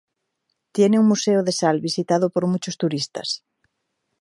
Tiene un museo de sal visitado por muchos turistas.